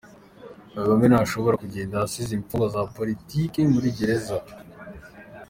Kagame ntashobora kugenda asize imfungwa za politiki muri gereza.